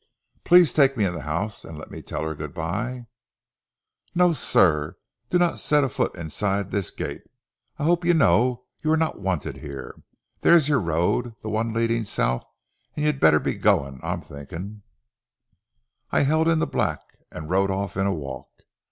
Please take me in the house and let me tell her good by." "No, sir. Dinna set foot inside o' this gate. I hope ye know ye're no wanted here. There's your road, the one leadin' south, an' ye'd better be goin', I'm thinkin'." I held in the black and rode off in a walk.